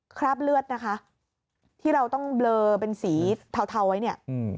คราบเลือดนะคะที่เราต้องเบลอเป็นสีเทาไว้เนี่ย